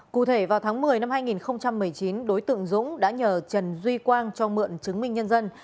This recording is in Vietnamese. cụ thể vào tháng một mươi năm hai nghìn một mươi chín đối tượng dũng đã nhờ trần duy quang cho mượn chứng minh nhân dân